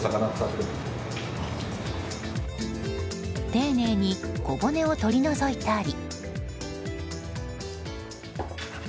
丁寧に小骨を取り除いたり。